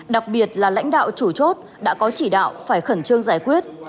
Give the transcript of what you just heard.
đặc biệt là lãnh đạo chủ chốt đã có chỉ đạo phải khẩn trương giải quyết